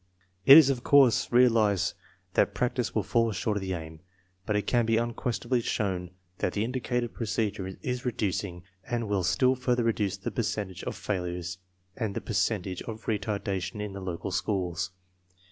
It is of course realized that practice will fall short of the aim, but it can be unquestionably shown that the indicated procedure is reducing and will still further reduce the percentage of failures and the percentage of retardation in the local schools.